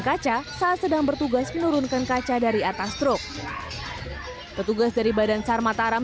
kaca saat sedang bertugas menurunkan kaca dari atas truk petugas dari badan sar mataram